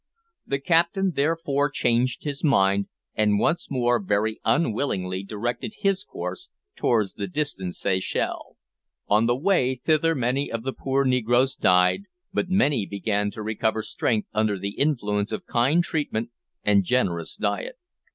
The captain therefore changed his mind, and once more very unwillingly directed his course towards the distant Seychelles. On the way thither many of the poor negroes died, but many began to recover strength under the influence of kind treatment and generous diet.